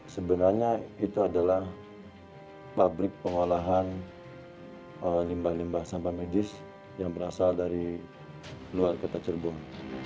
sebenarnya itu adalah pabrik pengolahan limbah limbah sampah medis yang berasal dari luar kota cirebon